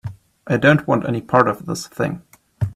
I don't want any part of this thing.